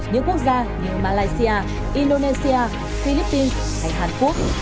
những quốc gia như malaysia indonesia philippines hay hàn quốc